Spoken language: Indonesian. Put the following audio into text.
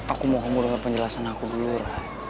aku mau kamu denger penjelasan aku dulu ray